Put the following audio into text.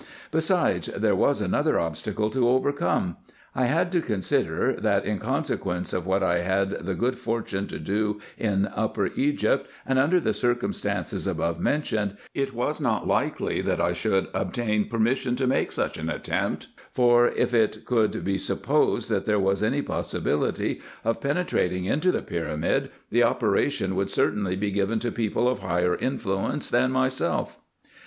Besides, there was another obstacle to overcome. I had to consider, that in consequence of what I had the good fortune to do in Upper Egypt, and under the circumstances above mentioned, it was not likely that I should obtain permission to make such an attempt : for if it could be supposed, that there was any possibility of penetrating into the pyramid, the operation would certainly be given to people of higher influence than myself.